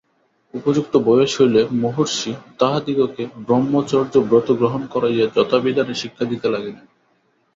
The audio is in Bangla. উপযুক্ত বয়স হইলে মহর্ষি তাহাদিগকে ব্রহ্মচর্যব্রত গ্রহণ করাইয়া যথাবিধানে শিক্ষা দিতে লাগিলেন।